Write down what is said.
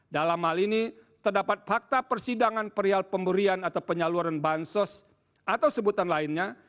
dalam hal ini terdapat fakta persidangan perial pemberian atau penyaluran bansos atau sebutan lainnya